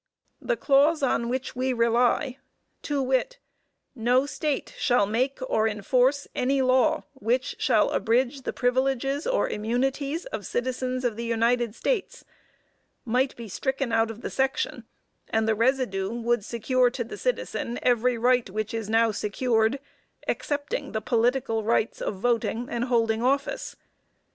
The clause on which we rely, to wit: "No State shall make or enforce any law which shall abridge the privileges or immunities of citizens of the United States," might be stricken out of the section, and the residue would secure to the citizen every right which is now secured, excepting the political rights of voting and holding office.